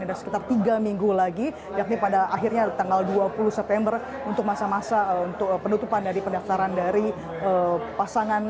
ada sekitar tiga minggu lagi yakni pada akhirnya tanggal dua puluh september untuk masa masa untuk penutupan dari pendaftaran dari pasangan